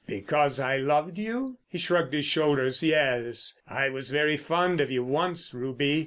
"Because I loved you?" He shrugged his shoulders. "Yes, I was very fond of you once, Ruby.